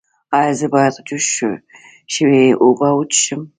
ایا زه باید جوش شوې اوبه وڅښم؟